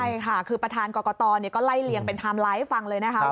ใช่ค่ะคือประธานกรกตก็ไล่เลียงเป็นไทม์ไลน์ให้ฟังเลยนะคะ